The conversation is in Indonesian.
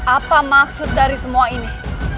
apa maksud dari semua ini